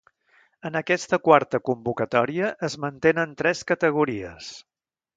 En aquesta quarta convocatòria es mantenen tres categories.